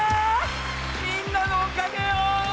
みんなのおかげよ！